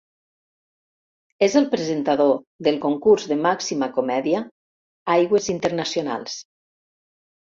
És el presentador del concurs de màxima comèdia "Aigües Internacionals".